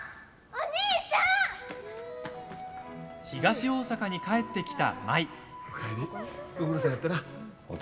東大阪に帰ってきた舞。